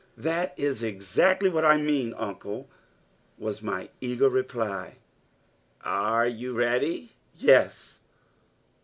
.......... "That is exactly what I mean, Uncle," was my eager reply. .......... "Are you ready?" .......... "Yes."